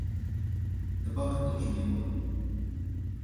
Табака тоже не было.